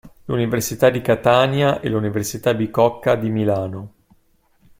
L'Università di Catania e L'Università Bicocca di Milano.